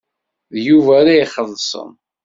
D Yuba ara ixellṣen.